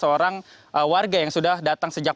e ini menentukan towns